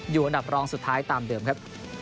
อยู่อันดับรองสุดท้ายตามเดิมครับ